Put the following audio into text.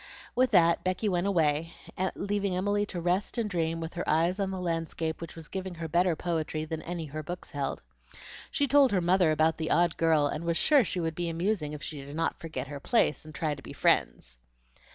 With that Becky went away, leaving Emily to rest and dream with her eyes on the landscape which was giving her better poetry than any her books held. She told her mother about the odd girl, and was sure she would be amusing if she did not forget her place and try to be friends.